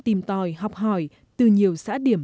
tìm tòi học hỏi từ nhiều xã điểm